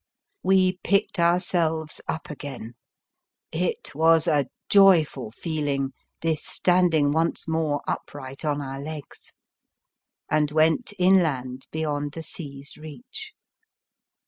We picked ourselves up 12 The Fearsome Island again — it was a joyful feeling, this standing once more upright on our legs — and went inland beyond the sea's reach.